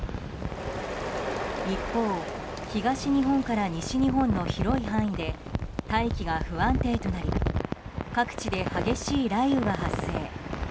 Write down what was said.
一方、東日本から西日本の広い範囲で大気が不安定となり各地で激しい雷雨が発生。